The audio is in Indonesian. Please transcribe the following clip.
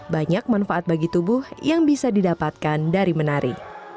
banyak manfaat bagi tubuh yang bisa didapatkan dari menari